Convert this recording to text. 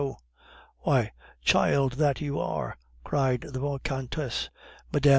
'" "Why, child that you are," cried the Vicomtesse, "Mme.